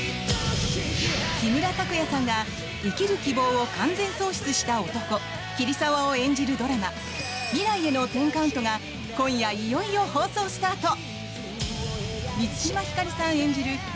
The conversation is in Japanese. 木村拓哉さんが生きる希望を完全喪失した男桐沢を演じるドラマ「未来への１０カウント」が今夜、いよいよ放送スタート。